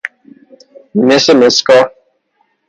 مس مس کار